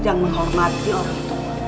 dan menghormati orang tua